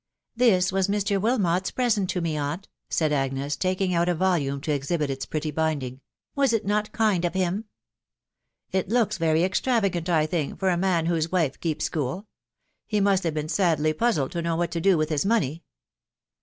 " This was Mr. Wilmot's present to me, aunt," said Agnes, taking out a volume to exhibit its pretty binding. " Was it not kind of him ?"" It looks very extravagant, I think, for a man whose wife keeps school. ... He must have been sadly puzzled to know what to do with his money."